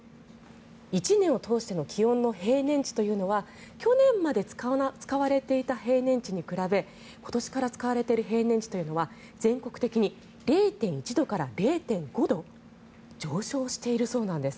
１年を通しての気温の平年値というのは去年まで使われていた平年値に比べ今年から使われている平年値は全国的に０．１度から０．５度上昇しているそうなんです。